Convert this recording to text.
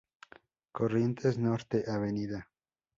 Corrientes Norte, Av.